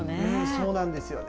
そうなんですよね。